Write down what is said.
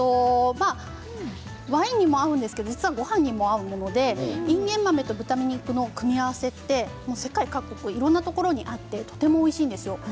ワインにも合うんですけれども、実はごはんにも合うのでいんげん豆と豚肉の組み合わせって世界各国いろんなところにあってとてもおいしいですよ。